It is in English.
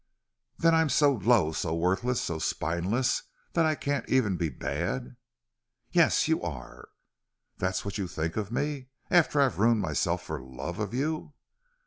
"Then I'm so low, so worthless, so spineless that I can't even be bad?" "Yes, you are." "That's what you think of me after I've ruined myself for love of you?"